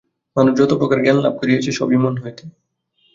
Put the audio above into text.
মানুষ যতপ্রকার জ্ঞানলাভ করিয়াছে, সবই মন হইতে।